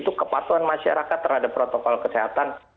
untuk kepatuhan masyarakat terhadap protokol kesehatan